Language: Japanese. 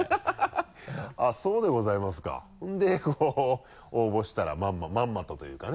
あっそうでございますかで応募したらまんまとというかね。